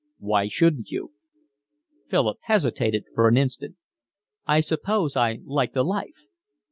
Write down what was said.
"Why shouldn't you?" Philip hesitated for an instant. "I suppose I like the life."